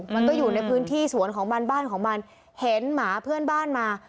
มันก็อยู่ในพื้นที่สวนของมันบ้านของมันเห็นหมาเพื่อนบ้านมา